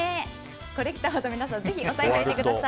コレきたワード、皆さんぜひ押さえておいてください。